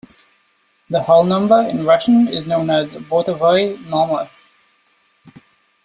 The hull number in Russian is known as "bortovoi nomer".